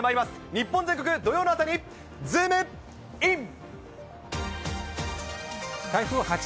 日本全国土曜の朝にズームイン！！